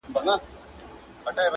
• دا دوران دي مور هم دی تېر کړی لېونۍ -